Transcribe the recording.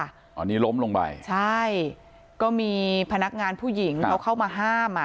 อันนี้ล้มลงไปใช่ก็มีพนักงานผู้หญิงเขาเข้ามาห้ามอ่ะ